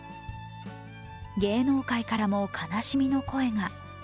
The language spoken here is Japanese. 芸能界からも悲しみの声が。